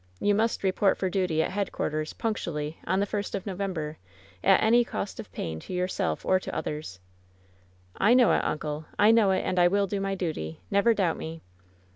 You must report for duty at headquarters punctually on the first of November, at any cost of pain to yourself or to others." "I know it, uncle — ^I know it, and I will do my duty. Never doubt me.''